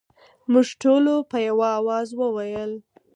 موږ ټولو په یوه اواز وویل.